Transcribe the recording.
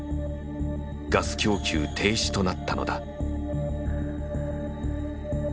ガス供給停止となったのだ。